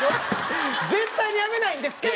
絶対に辞めないんですけど。